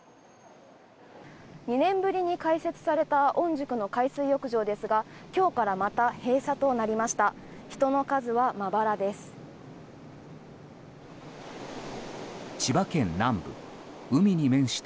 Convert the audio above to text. ２年ぶりに開設された御宿の海水浴場ですが今日からまた閉鎖となりました。